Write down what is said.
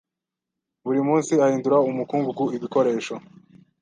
Buri munsi ahindura umukungugu ibikoresho.